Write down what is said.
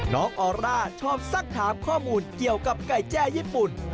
ออร่าชอบสักถามข้อมูลเกี่ยวกับไก่แจ้ญี่ปุ่น